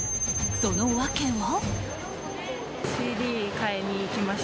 その訳は。